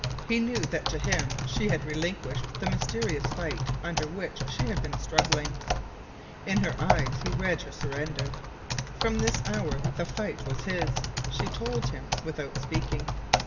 He knew that to him she had relinquished the mysterious fight under which she had been struggling. In her eyes he read her surrender. From this hour the fight was his. She told him, without speaking.